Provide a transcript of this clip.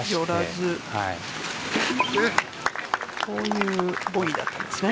こういうボギーだったんですね。